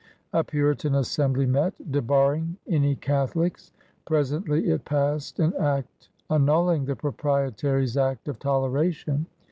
A Puritan Assembly met, debarring any Catholics. Presently it passed an act annul ling the Proprietary's Act of Toleration.